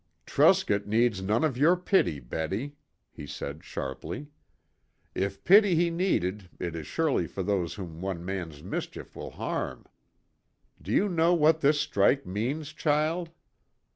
"Truscott needs none of your pity, Betty," he said sharply. "If pity be needed it is surely for those whom one man's mischief will harm. Do you know what this strike means, child?